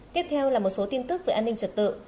tiếp theo là một số tin tức về an ninh trật tự